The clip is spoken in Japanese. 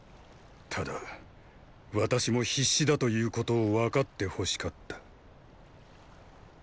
ただ私も必死だということを分かってほしかった。